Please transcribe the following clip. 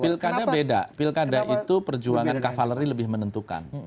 pilkada beda pilkada itu perjuangan kavaleri lebih menentukan